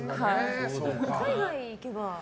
海外に行けば。